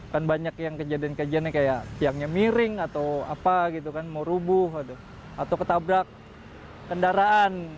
kan banyak yang kejadian kejadiannya kayak tiangnya miring atau apa gitu kan mau rubuh atau ketabrak kendaraan